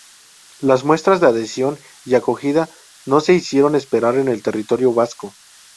Las muestras de adhesión y acogida no se hicieron esperar en el territorio vasco.